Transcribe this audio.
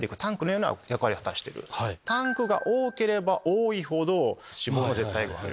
タンクが多ければ多いほど脂肪は絶対に増える。